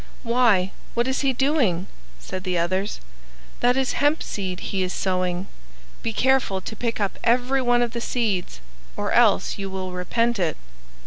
"Why, what is he doing?" said the others. "That is hemp seed he is sowing; be careful to pick up every one of the seeds, or else you will repent it."